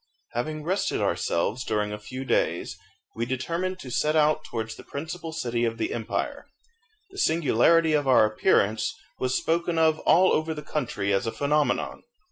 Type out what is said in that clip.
Having rested ourselves during a few days, we determined to set out towards the principal city of the empire. The singularity of our appearance was spoken of all over the country as a phenomenon.